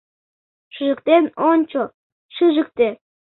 — Шыжыктен ончо, шыжыкте...